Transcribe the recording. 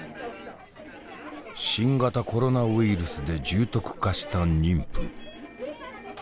新型コロナウイルスで重篤化した妊婦。